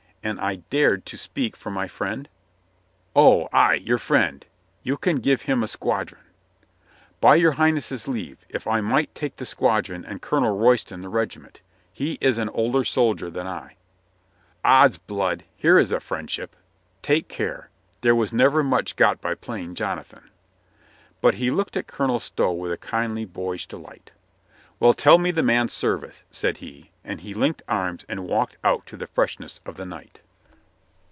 And I dared to speak for my friend?" "Oh, ay, your friend. You can give him a squadron." ' "By your Highness' leave — if I might take the squadron and Colonel Royston the regiment. He is an older soldier than L" "Ods blood, here is a friendship ! Take care. There was never much got by playing Jonathan." But he looked at Colonel Stow with a kindly, boyish delight. "Well, tell me the man's service," said he, and he linked arms and walked out to the freshness of the night.